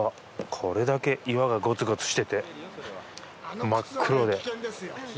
これだけ岩がごつごつしていて真っ黒で。